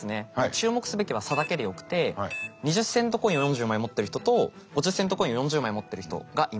注目すべきは差だけでよくて２０セントコインを４０枚持ってる人と５０セントコインを４０枚持ってる人がいます。